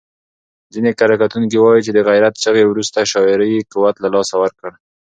ځینې کره کتونکي وايي چې د غیرت چغې وروسته شاعري قوت له لاسه ورکړ.